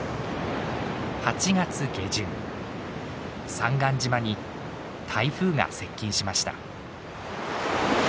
三貫島に台風が接近しました。